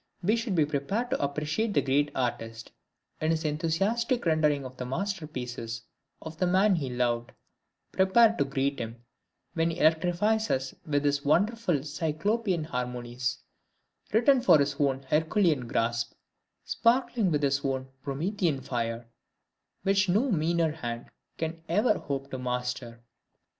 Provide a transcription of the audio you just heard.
We should be prepared to appreciate the great Artist in his enthusiastic rendering of the master pieces of the man he loved; prepared to greet him when he electrifies us with his wonderful Cyclopean harmonies, written for his own Herculean grasp, sparkling with his own Promethean fire, which no meaner hand can ever hope to master!